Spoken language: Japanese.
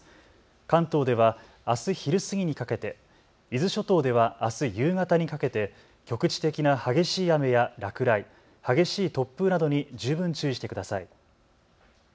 関東ではあす昼過ぎにかけて、伊豆諸島ではあす夕方にかけて局地的な激しい雨や落雷、激しい突風などに十分注意してください。